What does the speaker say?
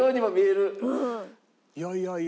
「いやいやいや」